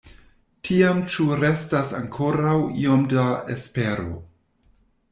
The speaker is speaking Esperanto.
Tiam ĉu restas ankoraŭ iom da espero?